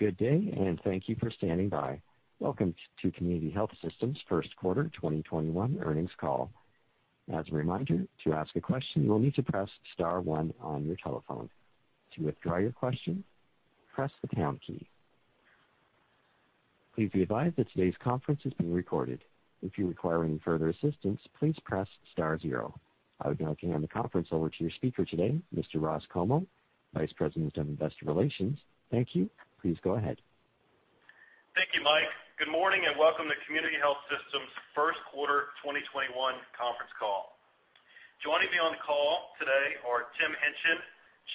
Good day, and thank you for standing by. Welcome to Community Health Systems' First Quarter 2021 Earnings Call. I would now turn the conference over to your speaker today, Mr. Ross Comeaux, Vice President of Investor Relations. Thank you. Please go ahead. Thank you, Mike. Good morning, and welcome to Community Health Systems' First Quarter 2021 Conference Call. Joining me on the call today are Tim Hingtgen,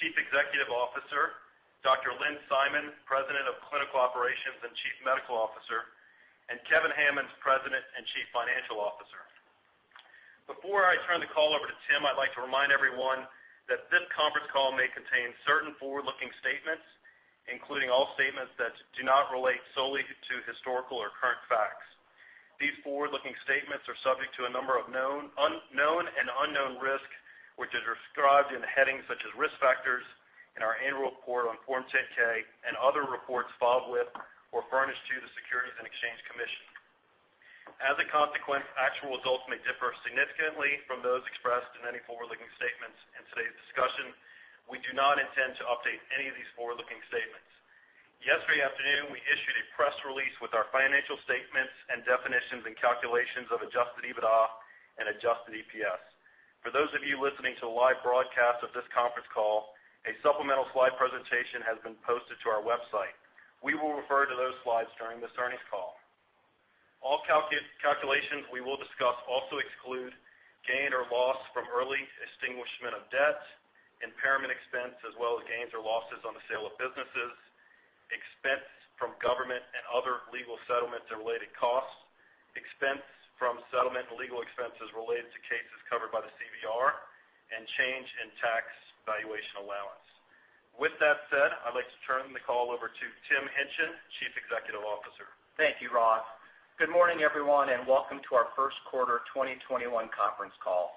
Chief Executive Officer, Dr. Lynn Simon, President of Clinical Operations and Chief Medical Officer, and Kevin Hammons, President and Chief Financial Officer. Before I turn the call over to Tim, I'd like to remind everyone that this conference call may contain certain forward-looking statements, including all statements that do not relate solely to historical or current facts. These forward-looking statements are subject to a number of known and unknown risks, which is described in the headings such as Risk Factors in our annual report on Form 10-K and other reports filed with or furnished to the Securities and Exchange Commission. As a consequence, actual results may differ significantly from those expressed in any forward-looking statements in today's discussion. We do not intend to update any of these forward-looking statements. Yesterday afternoon, we issued a press release with our financial statements and definitions and calculations of adjusted EBITDA and adjusted EPS. For those of you listening to the live broadcast of this conference call, a supplemental slide presentation has been posted to our website. We will refer to those slides during this earnings call. All calculations we will discuss also exclude gain or loss from early extinguishment of debt, impairment expense, as well as gains or losses on the sale of businesses, expense from government and other legal settlements and related costs, expense from settlement and legal expenses related to cases covered by the CVR, and change in tax valuation allowance. With that said, I'd like to turn the call over to Tim Hingtgen, Chief Executive Officer. Thank you, Ross. Good morning, everyone, and welcome to our First Quarter 2021 Conference Call.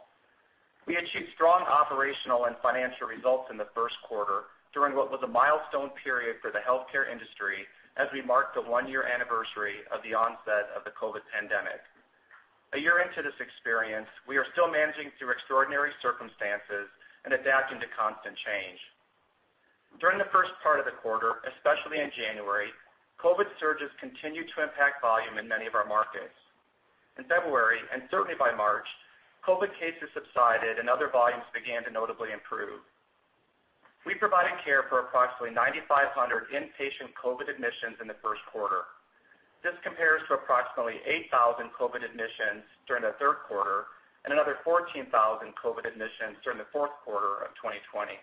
We achieved strong operational and financial results in the first quarter during what was a milestone period for the healthcare industry as we marked the one-year anniversary of the onset of the COVID pandemic. A year into this experience, we are still managing through extraordinary circumstances and adapting to constant change. During the first part of the quarter, especially in January, COVID surges continued to impact volume in many of our markets. In February, and certainly by March, COVID cases subsided and other volumes began to notably improve. We provided care for approximately 9,500 inpatient COVID admissions in the first quarter. This compares to approximately 8,000 COVID admissions during the third quarter and another 14,000 COVID admissions during the fourth quarter of 2020.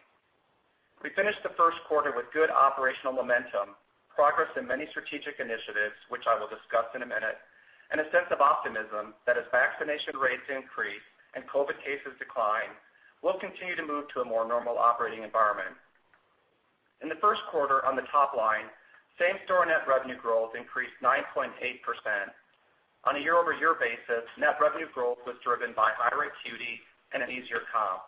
We finished the first quarter with good operational momentum, progress in many strategic initiatives, which I will discuss in a minute, and a sense of optimism that as vaccination rates increase and COVID cases decline, we'll continue to move to a more normal operating environment. In the first quarter on the top line, same-store net revenue growth increased 9.8%. On a year-over-year basis, net revenue growth was driven by higher acuity and an easier comp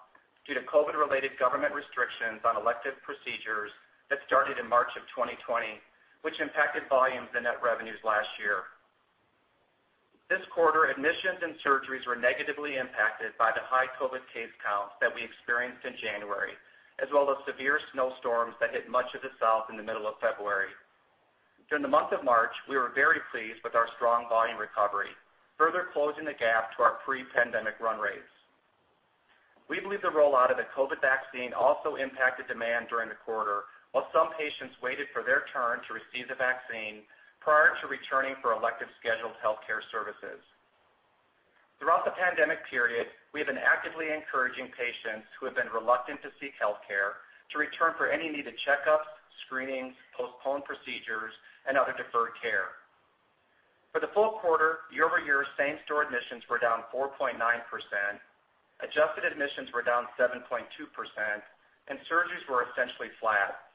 due to COVID-related government restrictions on elective procedures that started in March of 2020, which impacted volumes and net revenues last year. This quarter, admissions and surgeries were negatively impacted by the high COVID case counts that we experienced in January, as well as severe snowstorms that hit much of the South in the middle of February. During the month of March, we were very pleased with our strong volume recovery, further closing the gap to our pre-pandemic run rates. We believe the rollout of the COVID vaccine also impacted demand during the quarter while some patients waited for their turn to receive the vaccine prior to returning for elective scheduled healthcare services. Throughout the pandemic period, we have been actively encouraging patients who have been reluctant to seek healthcare to return for any needed checkups, screenings, postponed procedures, and other deferred care. For the full quarter, year-over-year same-store admissions were down 4.9%, adjusted admissions were down 7.2%, and surgeries were essentially flat.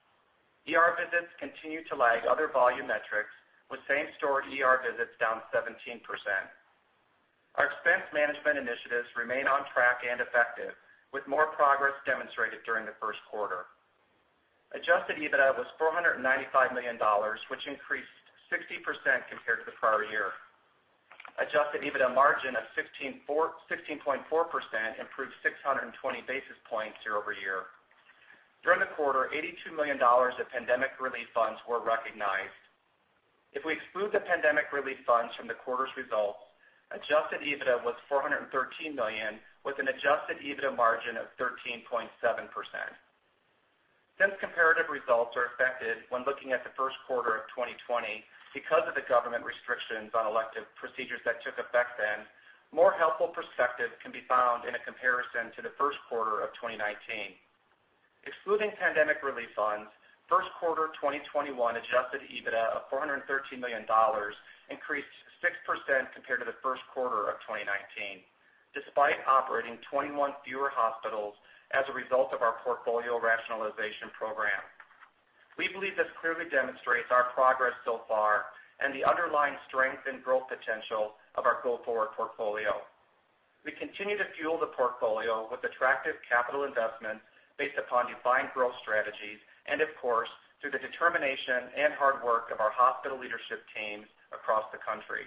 ER visits continue to lag other volume metrics, with same-store ER visits down 17%. Our expense management initiatives remain on track and effective, with more progress demonstrated during the first quarter. Adjusted EBITDA was $495 million, which increased 60% compared to the prior year. Adjusted EBITDA margin of 16.4% improved 620 basis points year-over-year. During the quarter, $82 million of pandemic relief funds were recognized. If we exclude the pandemic relief funds from the quarter's results, adjusted EBITDA was $413 million, with an adjusted EBITDA margin of 13.7%. Since comparative results are affected when looking at the first quarter of 2020 because of the government restrictions on elective procedures that took effect then, more helpful perspective can be found in a comparison to the first quarter of 2019. Excluding pandemic relief funds, first quarter 2021 adjusted EBITDA of $413 million increased 6% compared to the first quarter of 2019, despite operating 21 fewer hospitals as a result of our portfolio rationalization program. We believe this clearly demonstrates our progress so far and the underlying strength and growth potential of our go-forward portfolio. We continue to fuel the portfolio with attractive capital investments based upon defined growth strategies and, of course, through the determination and hard work of our hospital leadership teams across the country.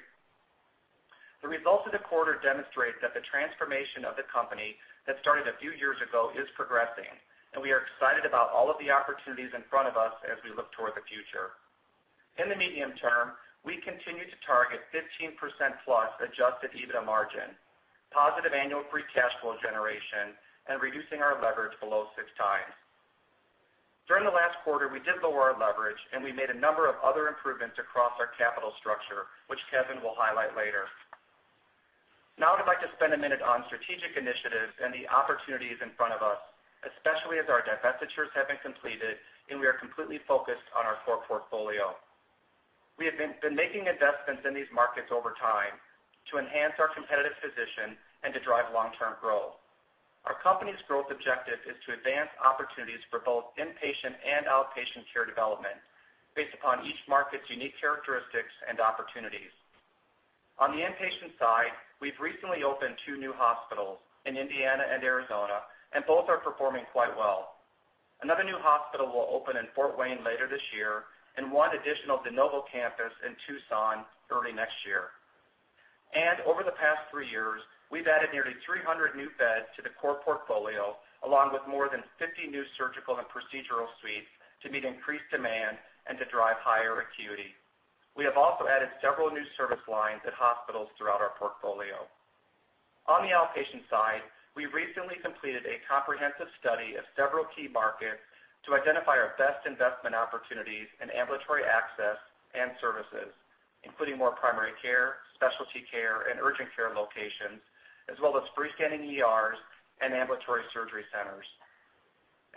The results of the quarter demonstrate that the transformation of the company that started a few years ago is progressing, and we are excited about all of the opportunities in front of us as we look toward the future. In the medium term, we continue to target 15%+ adjusted EBITDA margin, positive annual free cash flow generation, and reducing our leverage below 6x. During the last quarter, we did lower our leverage, and we made a number of other improvements across our capital structure, which Kevin will highlight later. Now I'd like to spend a minute on strategic initiatives and the opportunities in front of us, especially as our divestitures have been completed and we are completely focused on our core portfolio. We have been making investments in these markets over time to enhance our competitive position and to drive long-term growth. Our company's growth objective is to advance opportunities for both inpatient and outpatient care development based upon each market's unique characteristics and opportunities. On the inpatient side, we've recently opened two new hospitals in Indiana and Arizona, and both are performing quite well. Another new hospital will open in Fort Wayne later this year, and one additional de novo campus in Tucson early next year. Over the past three years, we've added nearly 300 new beds to the core portfolio, along with more than 50 new surgical and procedural suites to meet increased demand and to drive higher acuity. We have also added several new service lines at hospitals throughout our portfolio. On the outpatient side, we recently completed a comprehensive study of several key markets to identify our best investment opportunities in ambulatory access and services, including more primary care, specialty care, and urgent care locations, as well as freestanding ERs and ambulatory surgery centers.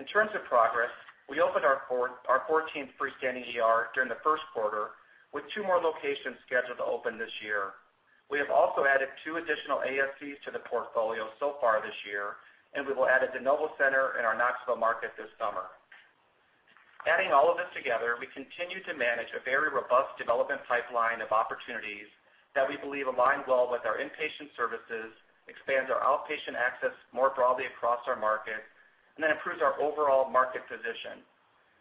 In terms of progress, we opened our 14th freestanding ER during the first quarter, with two more locations scheduled to open this year. We have also added two additional ASCs to the portfolio so far this year, and we will add a de novo center in our Knoxville market this summer. Adding all of this together, we continue to manage a very robust development pipeline of opportunities that we believe align well with our inpatient services, expand our outpatient access more broadly across our markets, and then improves our overall market position.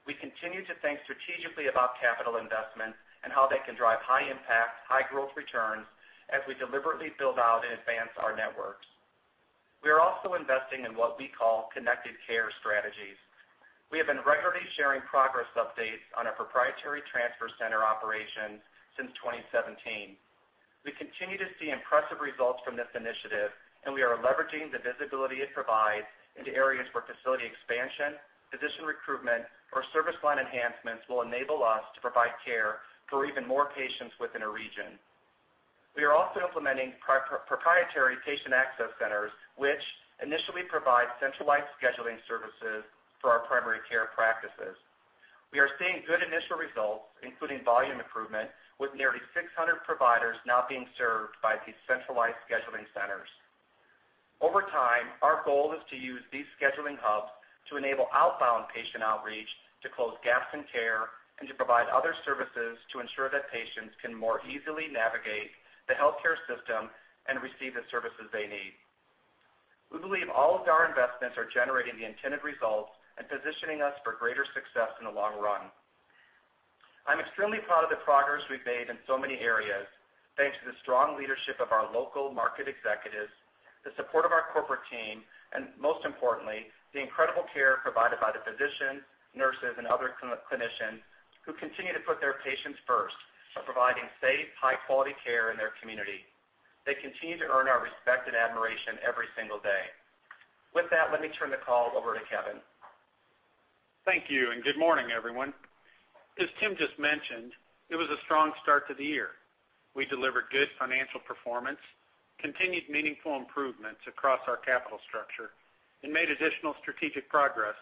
We continue to think strategically about capital investments and how they can drive high impact, high growth returns as we deliberately build out and advance our networks. We are also investing in what we call connected care strategies. We have been regularly sharing progress updates on our proprietary transfer center operations since 2017. We continue to see impressive results from this initiative, and we are leveraging the visibility it provides into areas where facility expansion, physician recruitment, or service line enhancements will enable us to provide care for even more patients within a region. We are also implementing proprietary patient access centers, which initially provide centralized scheduling services for our primary care practices. We are seeing good initial results, including volume improvement, with nearly 600 providers now being served by these centralized scheduling centers. Over time, our goal is to use these scheduling hubs to enable outbound patient outreach to close gaps in care and to provide other services to ensure that patients can more easily navigate the healthcare system and receive the services they need. We believe all of our investments are generating the intended results and positioning us for greater success in the long run. I'm extremely proud of the progress we've made in so many areas, thanks to the strong leadership of our local market executives, the support of our corporate team, and most importantly, the incredible care provided by the physicians, nurses, and other clinicians who continue to put their patients first by providing safe, high-quality care in their community. They continue to earn our respect and admiration every single day. With that, let me turn the call over to Kevin. Thank you, good morning, everyone. As Tim just mentioned, it was a strong start to the year. We delivered good financial performance, continued meaningful improvements across our capital structure, and made additional strategic progress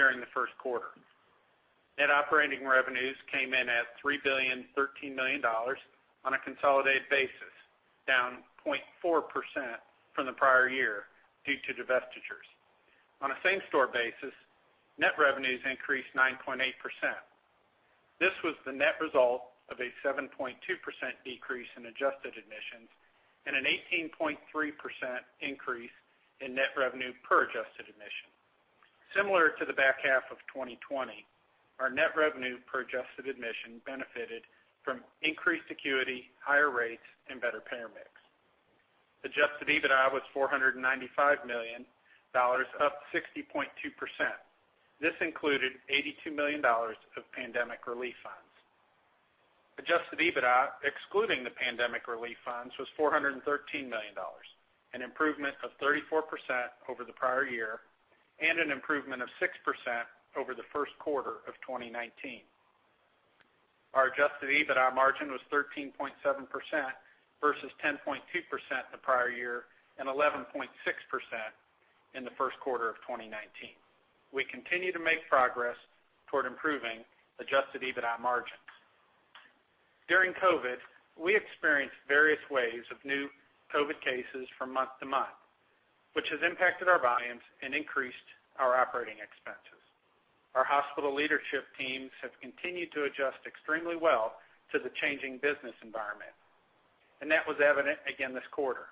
during the first quarter. Net operating revenues came in at $3,013 million on a consolidated basis, down 0.4% from the prior year due to divestitures. On a same-store basis, net revenues increased 9.8%. This was the net result of a 7.2% decrease in adjusted admissions and an 18.3% increase in net revenue per adjusted admission. Similar to the back half of 2020, our net revenue per adjusted admission benefited from increased acuity, higher rates, and better payer mix. Adjusted EBITDA was $495 million, up 60.2%. This included $82 million of pandemic relief funds. Adjusted EBITDA, excluding the pandemic relief funds, was $413 million, an improvement of 34% over the prior year and an improvement of 6% over the first quarter of 2019. Our adjusted EBITDA margin was 13.7% versus 10.2% the prior year and 11.6% in the first quarter of 2019. We continue to make progress toward improving adjusted EBITDA margins. During COVID, we experienced various waves of new COVID cases from month-to-month, which has impacted our volumes and increased our operating expenses. Our hospital leadership teams have continued to adjust extremely well to the changing business environment, and that was evident again this quarter.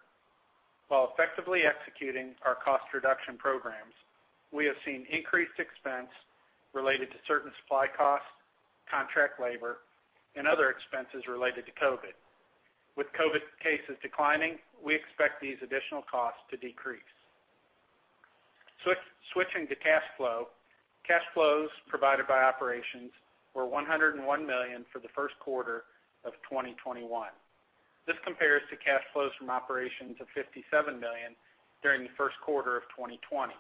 While effectively executing our cost reduction programs, we have seen increased expense related to certain supply costs, contract labor, and other expenses related to COVID. With COVID cases declining, we expect these additional costs to decrease. Switching to cash flow, cash flows provided by operations were $101 million for the first quarter of 2021. This compares to cash flows from operations of $57 million during the first quarter of 2020.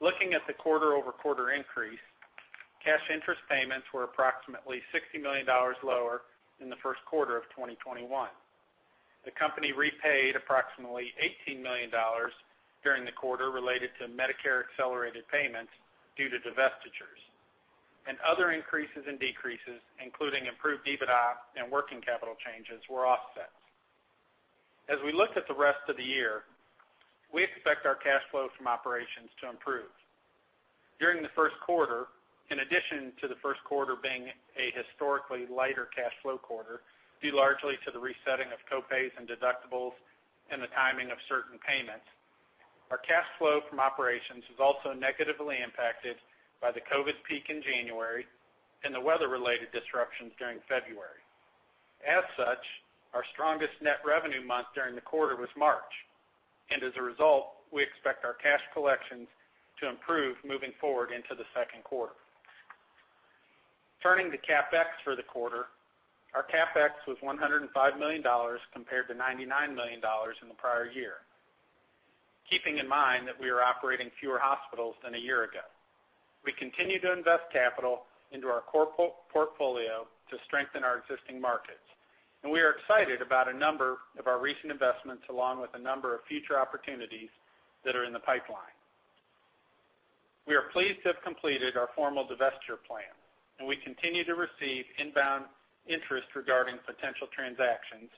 Looking at the quarter-over-quarter increase, cash interest payments were approximately $60 million lower in the first quarter of 2021. The company repaid approximately $18 million during the quarter related to Medicare accelerated payments due to divestitures. Other increases in decreases, including improved EBITDA and working capital changes, were offsets. As we look at the rest of the year, we expect our cash flow from operations to improve. During the first quarter, in addition to the first quarter being a historically lighter cash flow quarter, due largely to the resetting of co-pays and deductibles and the timing of certain payments, our cash flow from operations was also negatively impacted by the COVID peak in January and the weather-related disruptions during February. As such, our strongest net revenue month during the quarter was March, and as a result, we expect our cash collections to improve moving forward into the second quarter. Turning to CapEx for the quarter, our CapEx was $105 million compared to $99 million in the prior year. Keeping in mind that we are operating fewer hospitals than a year ago. We continue to invest capital into our portfolio to strengthen our existing markets, and we are excited about a number of our recent investments, along with a number of future opportunities that are in the pipeline. We are pleased to have completed our formal divestiture plan, and we continue to receive inbound interest regarding potential transactions,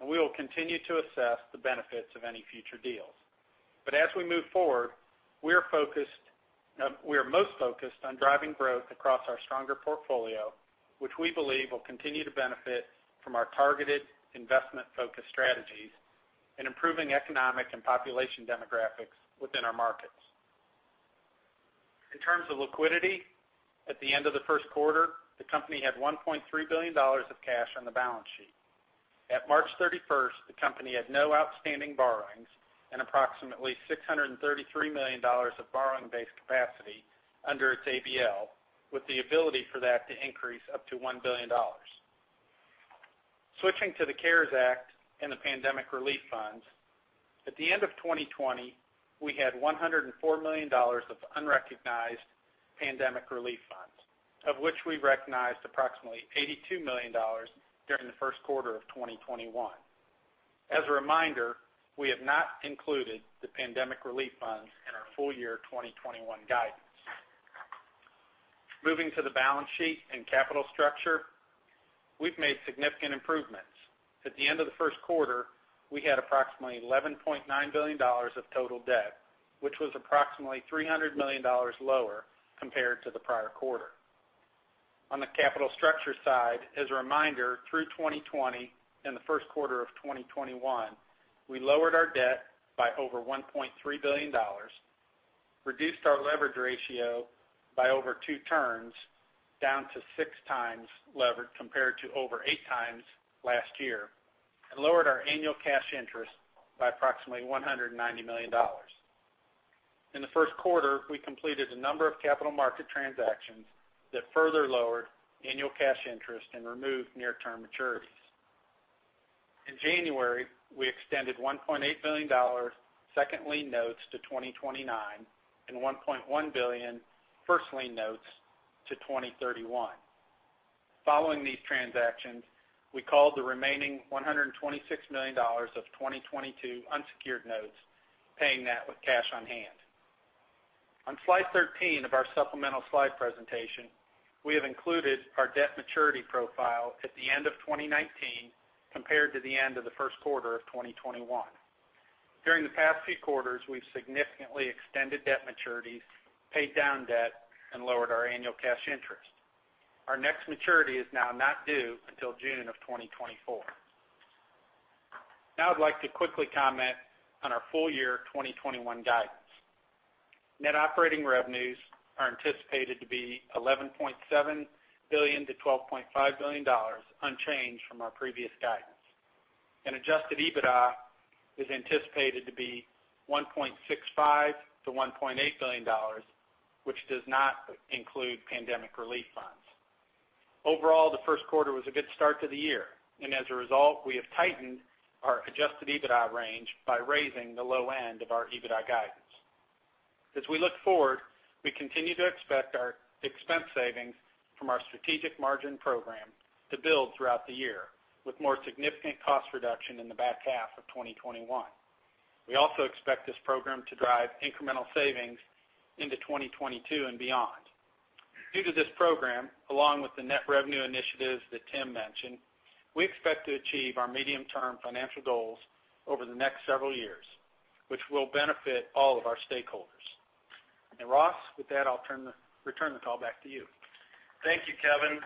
and we will continue to assess the benefits of any future deals. As we move forward, we are most focused on driving growth across our stronger portfolio, which we believe will continue to benefit from our targeted investment-focused strategies and improving economic and population demographics within our markets. In terms of liquidity, at the end of the first quarter, the company had $1.3 billion of cash on the balance sheet. At March 31st, the company had no outstanding borrowings and approximately $633 million of borrowing base capacity under its ABL, with the ability for that to increase up to $1 billion. Switching to the CARES Act and the pandemic relief funds, at the end of 2020, we had $104 million of unrecognized pandemic relief funds, of which we recognized approximately $82 million during the first quarter of 2021. As a reminder, we have not included the pandemic relief funds in our full year 2021 guidance. Moving to the balance sheet and capital structure, we've made significant improvements. At the end of the first quarter, we had approximately $11.9 billion of total debt, which was approximately $300 million lower compared to the prior quarter. On the capital structure side, as a reminder, through 2020 and the first quarter of 2021, we lowered our debt by over $1.3 billion, reduced our leverage ratio by over 2x, down to 6x levered compared to over 8x last year, and lowered our annual cash interest by approximately $190 million. In the first quarter, we completed a number of capital market transactions that further lowered annual cash interest and removed near-term maturities. In January, we extended $1.8 billion second lien notes to 2029 and $1.1 billion first lien notes to 2031. Following these transactions, we called the remaining $126 million of 2022 unsecured notes, paying that with cash on hand. On slide 13 of our supplemental slide presentation, we have included our debt maturity profile at the end of 2019 compared to the end of the first quarter of 2021. During the past few quarters, we've significantly extended debt maturities, paid down debt, and lowered our annual cash interest. Our next maturity is now not due until June of 2024. Now I'd like to quickly comment on our full year 2021 guidance. Net operating revenues are anticipated to be $11.7 billion-$12.5 billion, unchanged from our previous guidance. Adjusted EBITDA is anticipated to be $1.65 billion-$1.8 billion, which does not include pandemic relief funds. Overall, the first quarter was a good start to the year, and as a result, we have tightened our adjusted EBITDA range by raising the low end of our EBITDA guidance. We look forward, we continue to expect our expense savings from our strategic margin improvement program to build throughout the year, with more significant cost reduction in the back half of 2021. We also expect this program to drive incremental savings into 2022 and beyond. Due to this program, along with the net revenue initiatives that Tim mentioned, we expect to achieve our medium-term financial goals over the next several years, which will benefit all of our stakeholders. Ross, with that, I'll return the call back to you. Thank you, Kevin.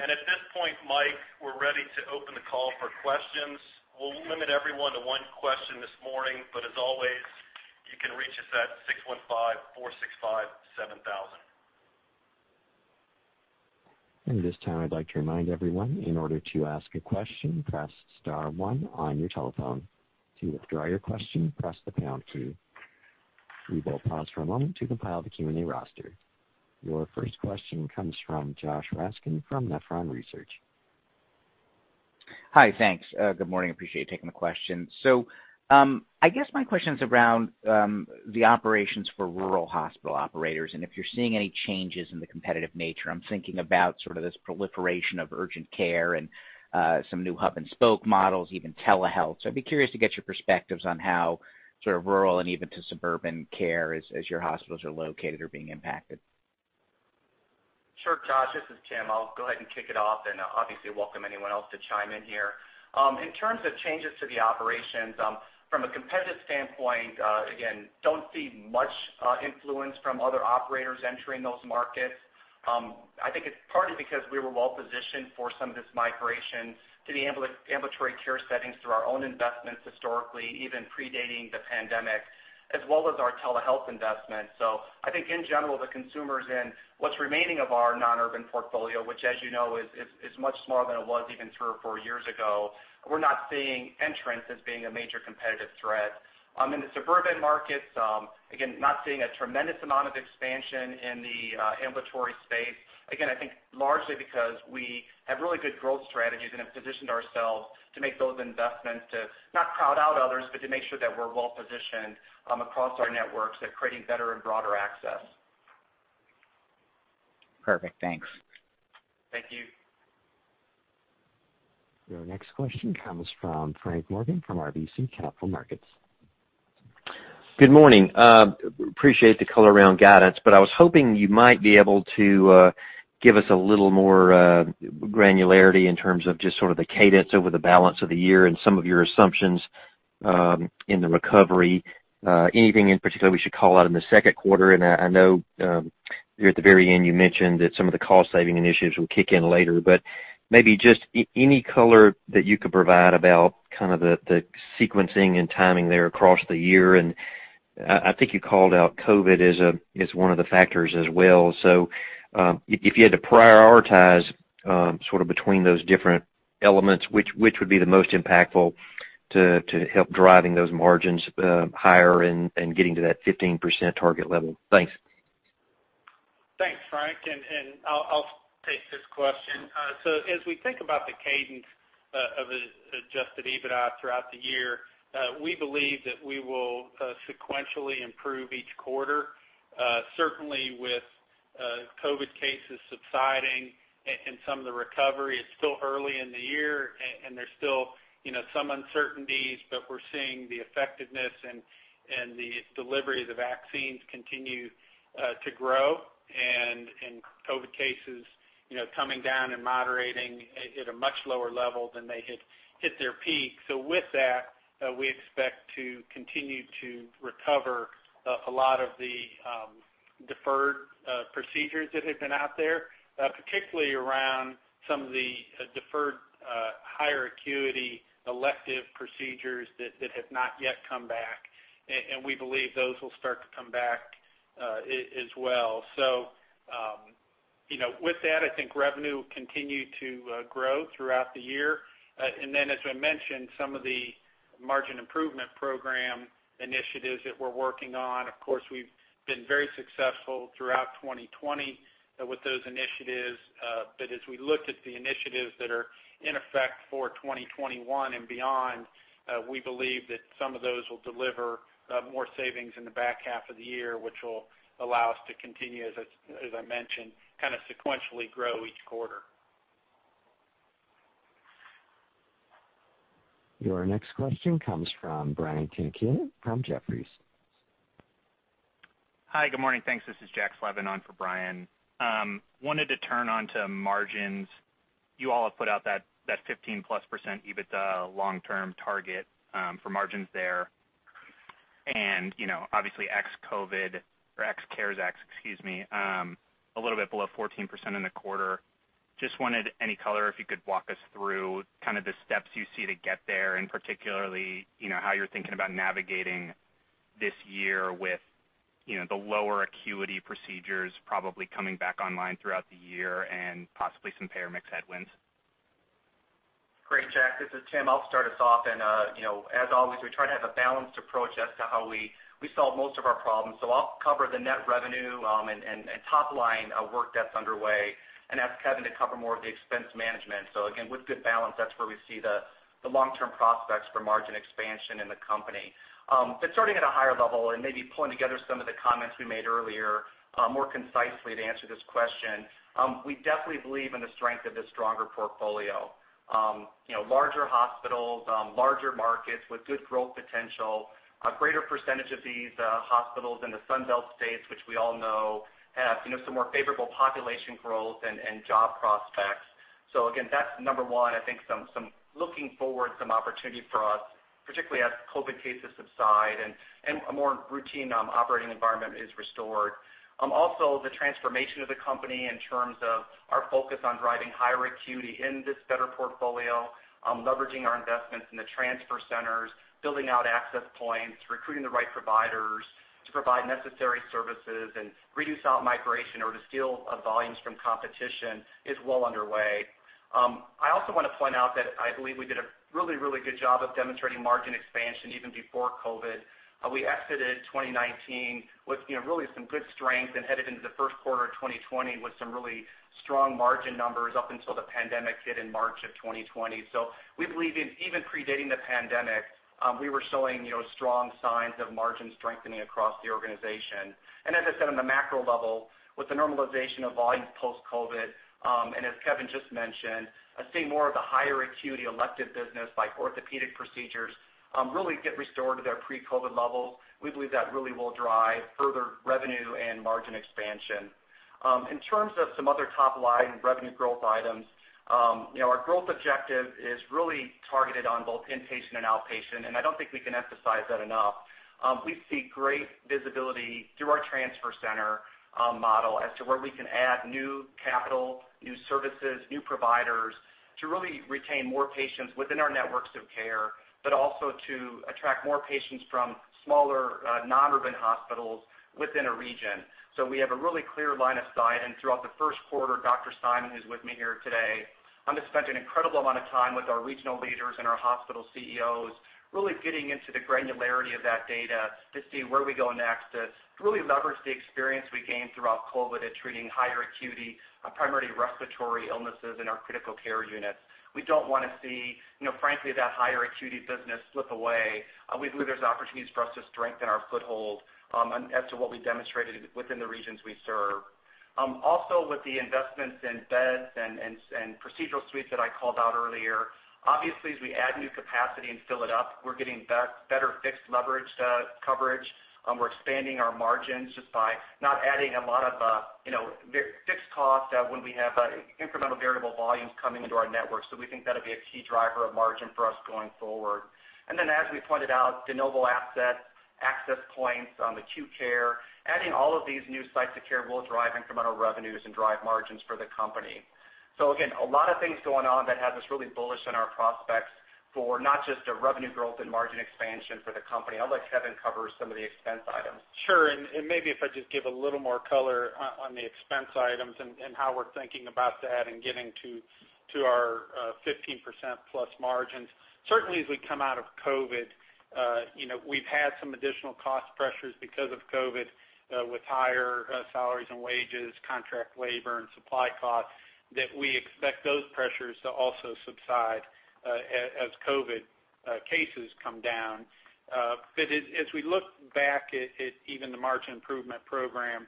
At this point, Mike, we're ready to open the call for questions. We'll limit everyone to one question this morning, but as always, you can reach us at 615-465-7000. At this time, I'd like to remind everyone, in order to ask a question, press star one on your telephone. To withdraw your question, press the pound key. We will pause for a moment to compile the Q&A roster. Your first question comes from Josh Raskin from Nephron Research. Hi, thanks. Good morning, appreciate you taking the question. I guess my question's around the operations for rural hospital operators and if you're seeing any changes in the competitive nature. I'm thinking about sort of this proliferation of urgent care and some new hub and spoke models, even telehealth. I'd be curious to get your perspectives on how sort of rural and even to suburban care, as your hospitals are located, are being impacted. Sure, Josh, this is Tim. I'll go ahead and kick it off and obviously welcome anyone else to chime in here. In terms of changes to the operations, from a competitive standpoint, again, don't see much influence from other operators entering those markets. I think it's partly because we were well-positioned for some of this migration to the ambulatory care settings through our own investments historically, even predating the pandemic, as well as our telehealth investments. I think in general, the consumers in what's remaining of our non-urban portfolio, which as you know, is much smaller than it was even three or four years ago, we're not seeing entrants as being a major competitive threat. In the suburban markets, again, not seeing a tremendous amount of expansion in the ambulatory space. Again, I think largely because we have really good growth strategies and have positioned ourselves to make those investments to, not crowd out others, but to make sure that we're well-positioned across our networks at creating better and broader access. Perfect. Thanks. Thank you. Your next question comes from Frank Morgan from RBC Capital Markets. Good morning. Appreciate the color around guidance. I was hoping you might be able to give us a little more granularity in terms of just sort of the cadence over the balance of the year and some of your assumptions in the recovery. Anything in particular we should call out in the second quarter? I know here at the very end, you mentioned that some of the cost-saving initiatives will kick in later, maybe just any color that you could provide about the sequencing and timing there across the year. I think you called out COVID as one of the factors as well. If you had to prioritize between those different elements, which would be the most impactful to help driving those margins higher and getting to that 15% target level? Thanks. Thanks, Frank. I'll take this question. As we think about the cadence of adjusted EBITDA throughout the year, we believe that we will sequentially improve each quarter, certainly with COVID cases subsiding and some of the recovery. It's still early in the year and there's still some uncertainties, but we're seeing the effectiveness and the delivery of the vaccines continue to grow and COVID cases coming down and moderating at a much lower level than they hit their peak. With that, we expect to continue to recover a lot of the deferred procedures that had been out there, particularly around some of the deferred higher acuity elective procedures that have not yet come back. We believe those will start to come back as well. With that, I think revenue will continue to grow throughout the year. As we mentioned, some of the Strategic Margin Improvement Program initiatives that we're working on, of course, we've been very successful throughout 2020 with those initiatives. But as we look at the initiatives that are in effect for 2021 and beyond, we believe that some of those will deliver more savings in the back half of the year, which will allow us to continue, as I mentioned, sequentially grow each quarter. Your next question comes from Brian Tanquilut from Jefferies. Hi, good morning. Thanks. This is Jack Slevin on for Brian. Wanted to turn onto margins. You all have put out that 15%+ EBITDA long-term target for margins there. Obviously ex-COVID or ex-CARES Act, excuse me, a little bit below 14% in the quarter. Wanted any color, if you could walk us through the steps you see to get there, and particularly, how you're thinking about navigating this year with the lower acuity procedures probably coming back online throughout the year and possibly some payer mix headwinds? Great, Jack. This is Tim. I'll start us off. As always, we try to have a balanced approach as to how we solve most of our problems. I'll cover the net revenue and top-line work that's underway and ask Kevin to cover more of the expense management. Again, with good balance, that's where we see the long-term prospects for margin expansion in the company. Starting at a higher level and maybe pulling together some of the comments we made earlier more concisely to answer this question. We definitely believe in the strength of this stronger portfolio. Larger hospitals, larger markets with good growth potential. A greater percentage of these hospitals in the Sun Belt states, which we all know have some more favorable population growth and job prospects. Again, that's number one, I think, some looking forward, some opportunity for us, particularly as COVID cases subside and a more routine operating environment is restored. Also, the transformation of the company in terms of our focus on driving higher acuity in this better portfolio, leveraging our investments in the transfer centers, building out access points, recruiting the right providers to provide necessary services and reduce out-migration or to steal volumes from competition is well underway. I also want to point out that I believe we did a really good job of demonstrating margin expansion even before COVID. We exited 2019 with really some good strength and headed into the first quarter of 2020 with some really strong margin numbers up until the pandemic hit in March of 2020. We believe even predating the pandemic, we were showing strong signs of margin strengthening across the organization. As I said, on the macro level, with the normalization of volumes post-COVID, as Kevin just mentioned, I see more of the higher acuity elective business by orthopedic procedures really get restored to their pre-COVID levels. We believe that really will drive further revenue and margin expansion. In terms of some other top-line revenue growth items, our growth objective is really targeted on both inpatient and outpatient, and I don't think we can emphasize that enough. We see great visibility through our transfer center model as to where we can add new capital, new services, new providers to really retain more patients within our networks of care, but also to attract more patients from smaller, non-urban hospitals within a region. We have a really clear line of sight. Throughout the first quarter, Dr. Simon, who's with me here today, has spent an incredible amount of time with our regional leaders and our hospital CEOs, really getting into the granularity of that data to see where we go next, to really leverage the experience we gained throughout COVID at treating higher acuity, primarily respiratory illnesses in our critical care units. We don't want to see, frankly, that higher acuity business slip away. We believe there's opportunities for us to strengthen our foothold as to what we demonstrated within the regions we serve. Also, with the investments in beds and procedural suites that I called out earlier. Obviously, as we add new capacity and fill it up, we're getting better fixed leverage coverage. We're expanding our margins just by not adding a lot of fixed costs when we have incremental variable volumes coming into our network. We think that'll be a key driver of margin for us going forward. Then, as we pointed out, de novo assets, access points, acute care, adding all of these new sites of care will drive incremental revenues and drive margins for the company. Again, a lot of things going on that have us really bullish on our prospects for not just a revenue growth and margin expansion for the company. I'll let Kevin cover some of the expense items. Sure, maybe if I just give a little more color on the expense items and how we're thinking about that and getting to our 15%+ margins. Certainly, as we come out of COVID, we've had some additional cost pressures because of COVID, with higher salaries and wages, contract labor, and supply costs, that we expect those pressures to also subside as COVID cases come down. As we look back at even the margin improvement program,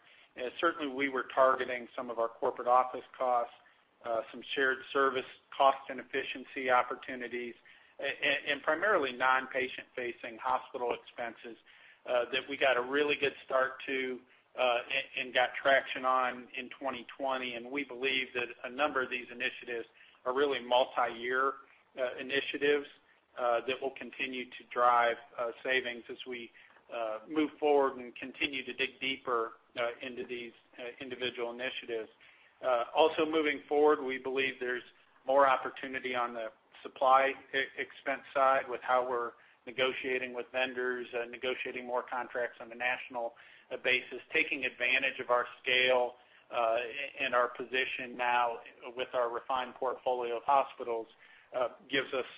certainly we were targeting some of our corporate office costs, some shared service cost and efficiency opportunities, and primarily non-patient facing hospital expenses that we got a really good start to and got traction on in 2020. We believe that a number of these initiatives are really multi-year initiatives that will continue to drive savings as we move forward and continue to dig deeper into these individual initiatives. Moving forward, we believe there's more opportunity on the supply expense side with how we're negotiating with vendors, negotiating more contracts on a national basis. Taking advantage of our scale and our position now with our refined portfolio of hospitals gives us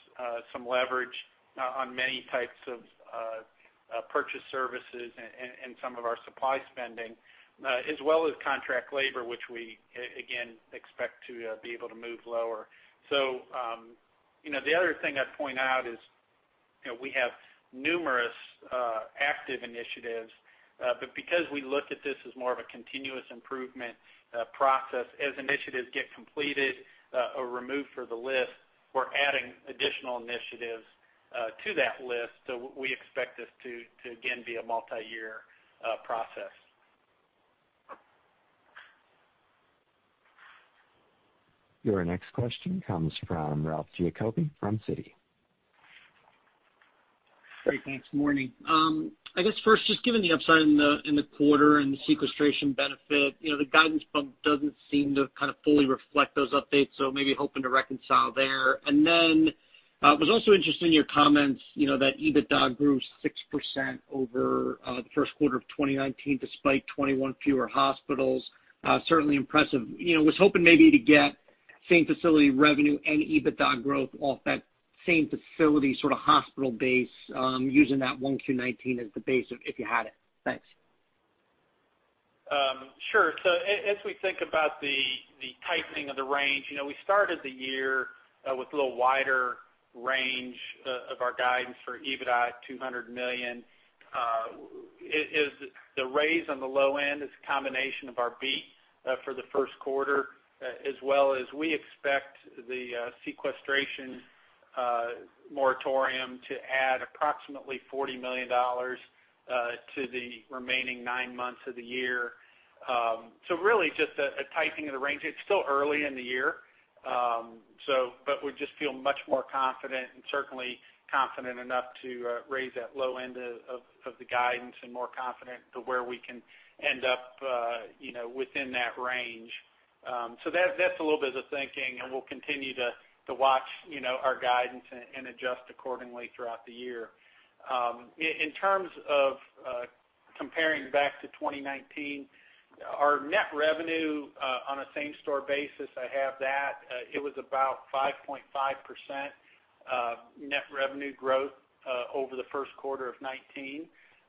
some leverage on many types of purchase services and some of our supply spending, as well as contract labor, which we, again, expect to be able to move lower. The other thing I'd point out is we have numerous active initiatives, but because we look at this as more of a continuous improvement process, as initiatives get completed or removed for the list, we're adding additional initiatives to that list. We expect this to, again, be a multi-year process. Your next question comes from Ralph Giacobbe from Citi. Great. Thanks. Morning. I guess first, just given the upside in the quarter and the sequestration benefit, the guidance bump doesn't seem to fully reflect those updates, so maybe hoping to reconcile there. I was also interested in your comments that EBITDA grew 6% over the first quarter of 2019 despite 21 fewer hospitals. Certainly impressive. Was hoping maybe to get same-facility revenue and EBITDA growth off that same facility sort of hospital base, using that 1Q19 as the base, if you had it. Thanks. Sure. As we think about the tightening of the range, we started the year with a little wider range of our guidance for EBITDA at $200 million. The raise on the low end is a combination of our beat for the first quarter, as well as we expect the sequestration to add approximately $40 million to the remaining nine months of the year. Really just a tightening of the range. It's still early in the year. We just feel much more confident, and certainly confident enough to raise that low end of the guidance, and more confident to where we can end up within that range. That's a little bit of the thinking, and we'll continue to watch our guidance and adjust accordingly throughout the year. In terms of comparing back to 2019, our net revenue on a same-store basis, I have that. It was about 5.5% net revenue growth over the first quarter of 2019.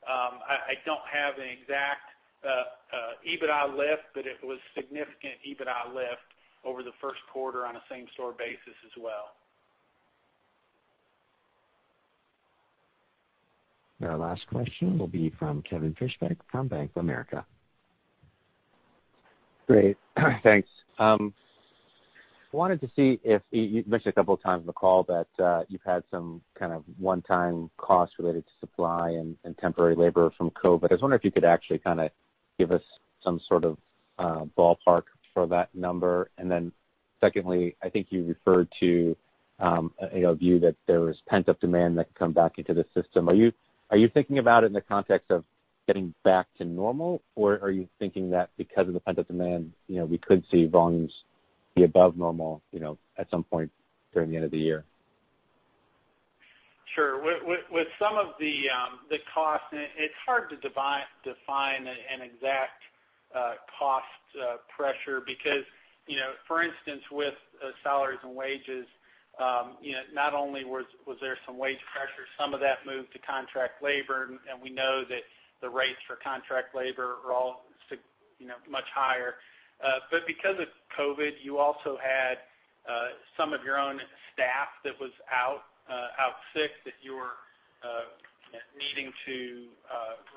I don't have an exact EBITDA lift, it was significant EBITDA lift over the first quarter on a same-store basis as well. Our last question will be from Kevin Fischbeck from Bank of America. Great. Thanks. Wanted to see if, you mentioned a couple of times on the call that you've had some kind of one-time costs related to supply and temporary labor from COVID. I was wondering if you could actually give us some sort of ballpark for that number. Secondly, I think you referred to a view that there was pent-up demand that could come back into the system. Are you thinking about it in the context of getting back to normal, or are you thinking that because of the pent-up demand, we could see volumes be above normal at some point during the end of the year? Sure. With some of the cost, it's hard to define an exact cost pressure because, for instance, with salaries and wages, not only was there some wage pressure, some of that moved to contract labor, and we know that the rates for contract labor are all much higher. Because of COVID, you also had some of your own staff that was out sick that you were needing to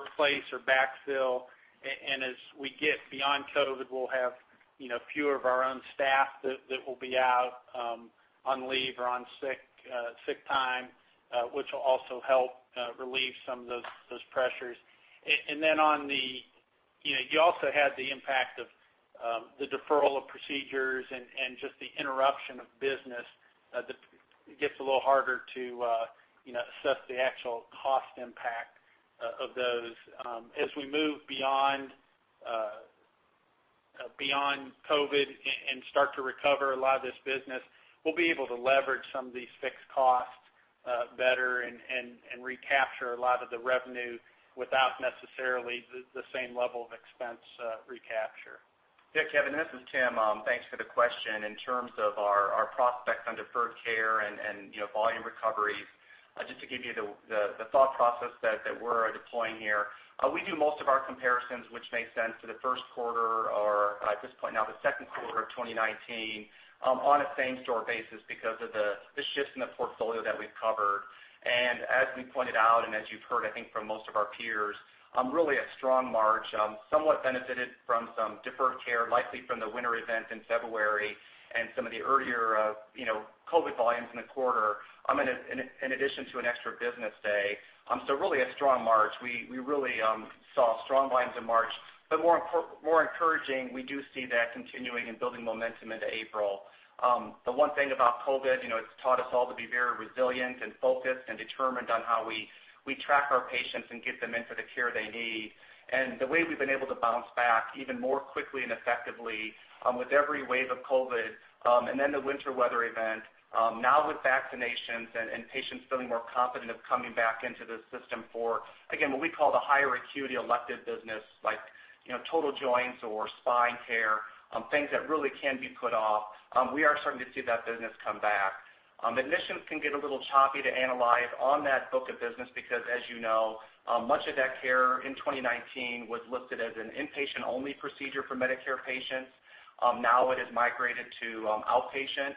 replace or backfill. As we get beyond COVID, we'll have fewer of our own staff that will be out on leave or on sick time, which will also help relieve some of those pressures. You also had the impact of the deferral of procedures and just the interruption of business. It gets a little harder to assess the actual cost impact of those. As we move beyond COVID and start to recover a lot of this business, we'll be able to leverage some of these fixed costs better and recapture a lot of the revenue without necessarily the same level of expense recapture. Yeah, Kevin, this is Tim. Thanks for the question. In terms of our prospects on deferred care and volume recoveries, just to give you the thought process that we're deploying here. We do most of our comparisons, which makes sense, to the Q1, or at this point now, the Q2 of 2019, on a same-store basis because of the shifts in the portfolio that we've covered. As we pointed out, and as you've heard, I think, from most of our peers, really a strong March. Somewhat benefited from some deferred care, likely from the winter event in February and some of the earlier COVID volumes in the quarter, in addition to an extra business day. Really a strong March. We really saw strong volumes in March. More encouraging, we do see that continuing and building momentum into April. The one thing about COVID, it's taught us all to be very resilient and focused and determined on how we track our patients and get them into the care they need. The way we've been able to bounce back even more quickly and effectively with every wave of COVID, and then the winter weather event. Now with vaccinations and patients feeling more confident of coming back into the system for, again, what we call the higher acuity elective business, like total joints or spine care, things that really can be put off. We are starting to see that business come back. Admissions can get a little choppy to analyze on that book of business because, as you know, much of that care in 2019 was listed as an inpatient-only procedure for Medicare patients. It has migrated to outpatient,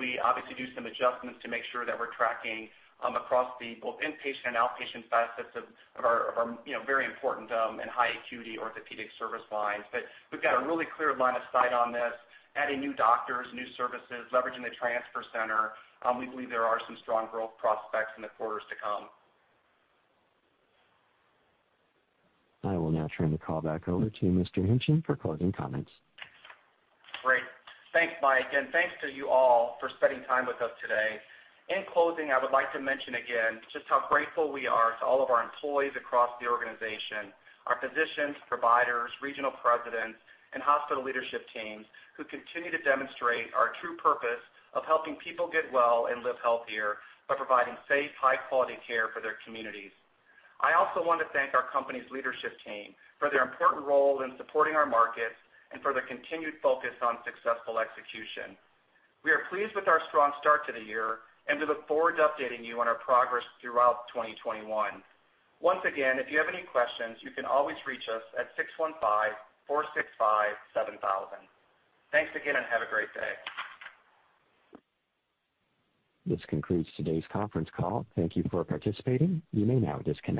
we obviously do some adjustments to make sure that we're tracking across both inpatient and outpatient facets of our very important and high acuity orthopedic service lines. We've got a really clear line of sight on this, adding new doctors, new services, leveraging the transfer center. We believe there are some strong growth prospects in the quarters to come. I will now turn the call back over to Mr. Hingtgen for closing comments. Great. Thanks, Mike, and thanks to you all for spending time with us today. In closing, I would like to mention again just how grateful we are to all of our employees across the organization, our physicians, providers, regional presidents, and hospital leadership teams, who continue to demonstrate our true purpose of helping people get well and live healthier by providing safe, high-quality care for their communities. I also want to thank our company's leadership team for their important role in supporting our markets and for their continued focus on successful execution. We are pleased with our strong start to the year and we look forward to updating you on our progress throughout 2021. Once again, if you have any questions, you can always reach us at 615-465-7000. Thanks again, and have a great day. This concludes today's conference call. Thank you for participating. You may now disconnect.